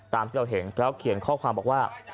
ตามที่เราเห็นแล้วเขียนข้อความบอกว่า